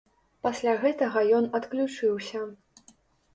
Пасля гэтага ён адключыўся.